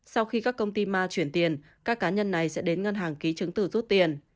sau khi các công ty ma chuyển tiền các cá nhân này sẽ đến ngân hàng ký chứng từ rút tiền